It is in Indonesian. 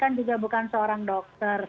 karena pak menteri kan juga